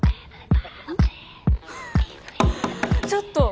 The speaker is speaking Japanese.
ちょっと！